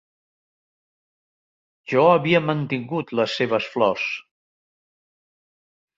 Jo havia mantingut les seves flors.